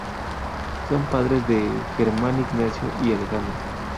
Son padres de Germán Ignacio y Alejandro.